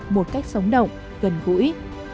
một cách sống động gần gũi